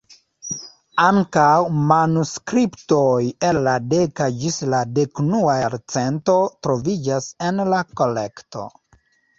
Ankaŭ manuskriptoj el la deka ĝis la dekunua jarcento troviĝas en la kolekto.